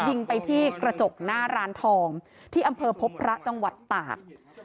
ยิงไปที่กระจกหน้าร้านทองที่อำเภอพบพระจังหวัดตาก